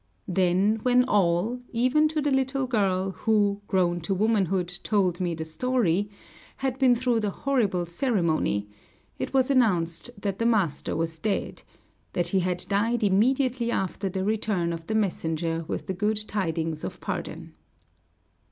Then when all, even to the little girl who, grown to womanhood, told me the story, had been through the horrible ceremony, it was announced that the master was dead, that he had died immediately after the return of the messenger with the good tidings of pardon.